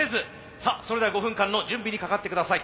さあそれでは５分間の準備にかかってください。